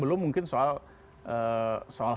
belum mungkin soal